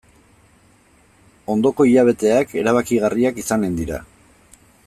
Ondoko hilabeteak erabakigarriak izanen dira.